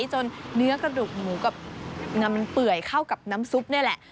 เนื้อกระดูกหมูกับน้ำมันเปื่อยเข้ากับน้ำซุปนี่แหละ